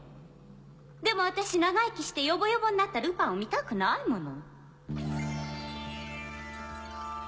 でも私長生きしてよぼよぼになったルパンを見たくないもの。